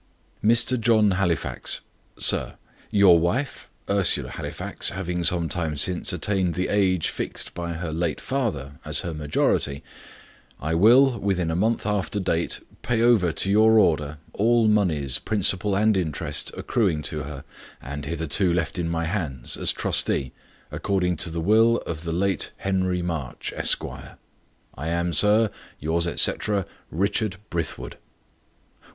"Mr. John Halifax. "SIR, "Your wife, Ursula Halifax, having some time since attained the age fixed by her late father as her majority, I will, within a month after date, pay over to your order all moneys, principal and interest, accruing to her, and hitherto left in my hands, as trustee, according to the will of the late Henry March, Esquire. "I am, sir, "Yours, etc., "RICHARD BRITHWOOD."